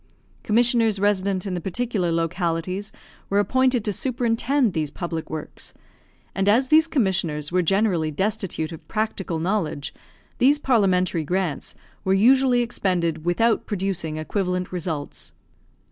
Commissioners resident in the particular localities were appointed to superintend these public works; and as these commissioners were generally destitute of practical knowledge, these Parliamentary grants were usually expended without producing equivalent results.